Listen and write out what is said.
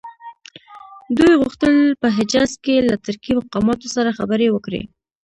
دوی غوښتل په حجاز کې له ترکي مقاماتو سره خبرې وکړي.